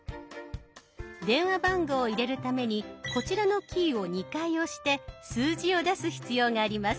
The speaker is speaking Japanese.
電話番号を入れるためにこちらのキーを２回押して数字を出す必要があります。